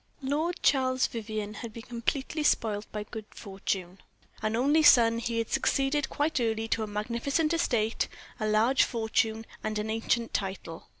Lord Charles Vivianne had been completely spoiled by good fortune. An only son, he had succeeded quite early to a magnificent estate, a large fortune, and an ancient title.